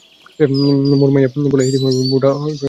মোর মাইয়া পোলায় এতিম অইবে বউডা হইরো ঢ়াড়ি।